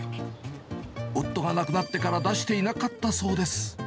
夫が亡くなってから出していなかったそうです。